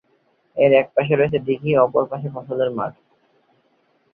এর একপাশে রয়েছে দীঘি ও অপর পাশে ফসলের মাঠ।